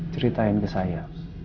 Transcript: ceritain ke saya